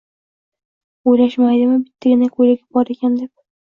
Oʻylashmaydimi, bittagina koʻylagi bor ekan, deb